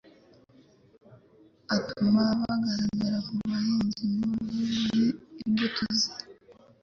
atuma abagaragu be ku bahinzi ngo babahe imbuto ze.